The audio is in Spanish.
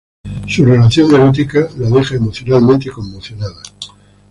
Su relación erótica la deja emocionalmente conmocionada.